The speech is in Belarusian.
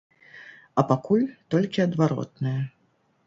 А пакуль толькі адваротнае.